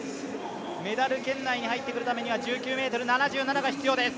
メダル圏内に入ってくるためには１９ｍ７７が必要です。